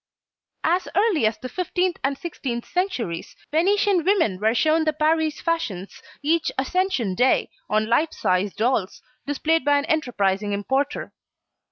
As early as the fifteenth and sixteenth centuries Venetian women were shown the Paris fashions each Ascension Day on life size dolls, displayed by an enterprising importer.